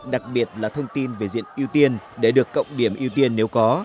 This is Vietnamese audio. đặc biệt là thông tin về diện ưu tiên để được cộng điểm ưu tiên nếu có